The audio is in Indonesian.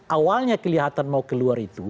awalnya kelihatan mau keluar itu